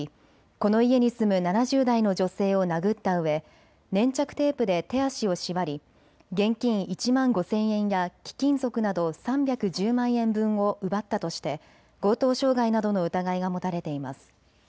この家に住む７０代の女性を殴ったうえ粘着テープで手足を縛り現金１万５０００円や貴金属など３１０万円分を奪ったとして強盗傷害などの疑いが持たれています。